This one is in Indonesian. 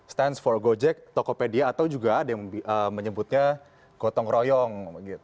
stance for gojek tokopedia atau juga ada yang menyebutnya gotong royong